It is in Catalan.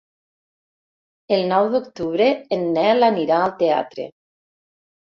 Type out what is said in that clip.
El nou d'octubre en Nel anirà al teatre.